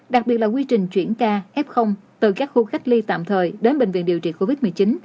đặc biệt là quy trình chuyển ca f từ các khu cách ly tạm thời đến bệnh viện điều trị covid một mươi chín